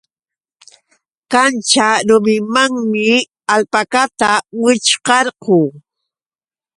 Kanćha rurimanmi alpakata wićhqarqu.